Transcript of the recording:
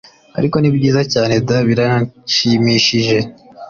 ariko nibyiza cyane daa” biranshimishije